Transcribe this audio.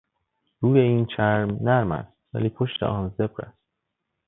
روی این چرم نرم است ولی پشت آن زبر است.